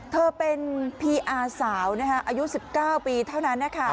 เธอเป็นพีอาสาวนะครับอายุ๑๙ปีเท่านั้น